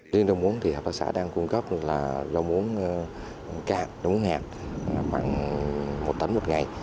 riêng rau muống thì hợp tác xã đang cung cấp là rau muống cát rau muống hạt khoảng một tấn một ngày